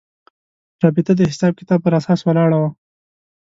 رابطه د حساب کتاب پر اساس ولاړه وه.